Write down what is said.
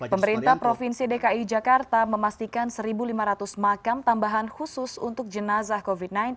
pemerintah provinsi dki jakarta memastikan satu lima ratus makam tambahan khusus untuk jenazah covid sembilan belas